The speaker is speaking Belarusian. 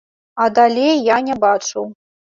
А далей я не бачыў.